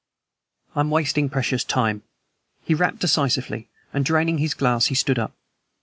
"I am wasting precious time!" he rapped decisively, and, draining his glass, he stood up.